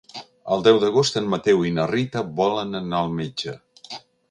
El deu d'agost en Mateu i na Rita volen anar al metge.